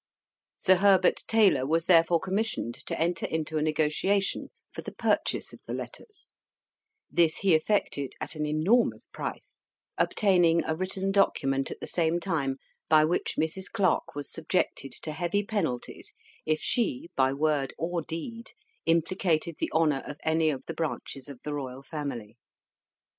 Sir Herbert Taylor was therefore commissioned to enter into a negotiation for the purchase of the letters; this he effected at an enormous price, obtaining a written document at the same time by which Mrs. Clarke was subjected to heavy penalties if she, by word or deed, implicated the honour of any of the branches of the royal family.